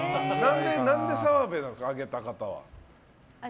何で澤部なんですか、上げた方は。